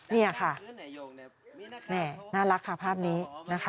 นี่ค่ะแม่น่ารักค่ะภาพนี้นะคะ